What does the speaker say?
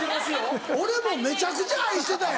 俺もめちゃくちゃ愛してたよ！